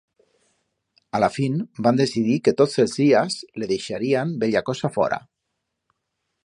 A la fin van decidir que tots els días le deixarían bella cosa fora.